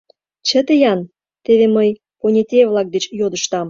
Чыте-ян, теве мый понетей-влак деч йодыштам.